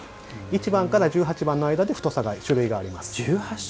１番から１８番の中で太さがあります。